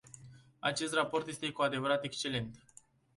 Acest raport este cu adevărat excelent!